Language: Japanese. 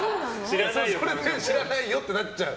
知らないよってなっちゃう。